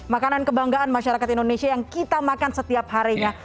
makanan kebanggaan masyarakat indonesia yang kita makan setiap harinya